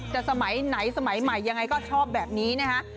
สมัยไหนสมัยใหม่ยังไงก็ชอบแบบนี้นะฮะ